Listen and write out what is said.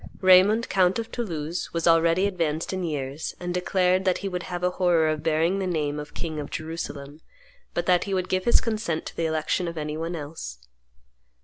Raymond, count of Toulouse, was already advanced in years, and declared "that he would have a horror of bearing the name of king in Jerusalem, but that he would give his consent to the election of anyone else."